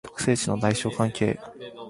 特性値の大小関係